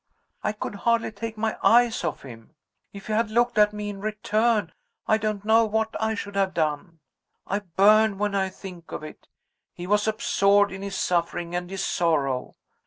I could hardly take my eyes off him. If he had looked at me in return, I don't know what I should have done I burn when I think of it. He was absorbed in his suffering and his sorrow.